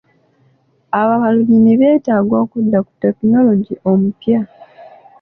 Abalimi beetaga okudda ku tekinologiya omupya.